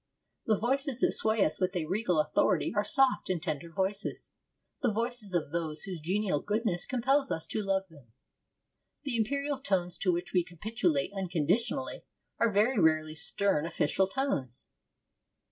The voices that sway us with a regal authority are soft and tender voices, the voices of those whose genial goodness compels us to love them. The imperial tones to which we capitulate unconditionally are very rarely stern official tones.